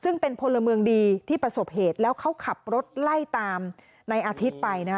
ซึ่งเป็นพลเมืองดีที่ประสบเหตุแล้วเขาขับรถไล่ตามในอาทิตย์ไปนะ